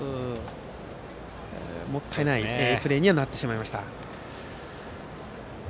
もったいないプレーにはなってしまいました。